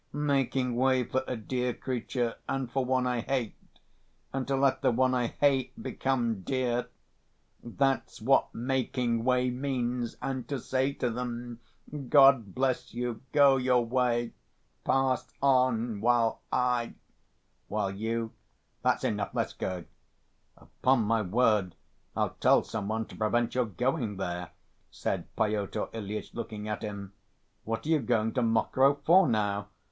Making way for a dear creature, and for one I hate. And to let the one I hate become dear—that's what making way means! And to say to them: God bless you, go your way, pass on, while I—" "While you—?" "That's enough, let's go." "Upon my word. I'll tell some one to prevent your going there," said Pyotr Ilyitch, looking at him. "What are you going to Mokroe for, now?"